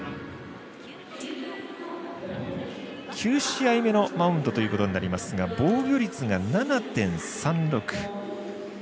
９試合目のマウンドということになりますが防御率が７．３６。